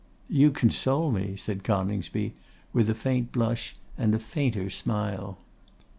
'You console me,' said Coningsby, with a faint blush and a fainter smile.